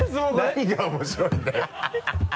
何が面白いんだよ